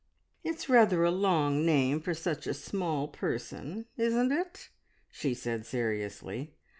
"It's rather a long name for such a small person, isn't it?" she said seriously.